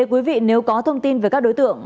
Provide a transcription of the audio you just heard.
quý vị nếu có thông tin về các đối tượng